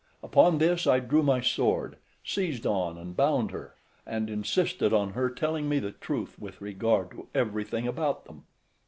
Upon this I drew my sword, seized on and bound her, and insisted on her telling me the truth with regard to everything about them.